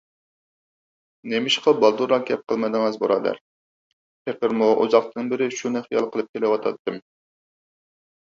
نېمىشقا بالدۇرراق گەپ قىلمىدىڭىز بۇرادەر؟ پېقىرمۇ ئۇزاقتىن بېرى شۇنى خىيال قىلىپ كېلىۋاتاتتىم.